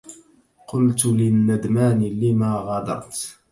قلت للندمان لما غادرت